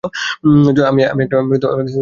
আমি একটা heat signature পাচ্ছি।